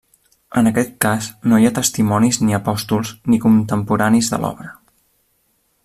En aquest cas, no hi ha testimonis ni apòstols, ni contemporanis de l'obra.